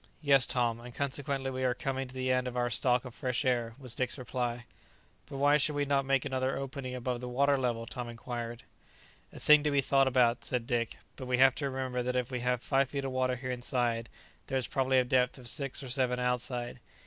"Yes, Tom, and consequently we are coming to the end of our stock of fresh air," was Dick's reply. "But why should we not make another opening above the water level?" Tom inquired. "A thing to be thought about," said Dick; "but we have to remember that if we have five feet of water here inside, there is probably a depth of six or seven outside.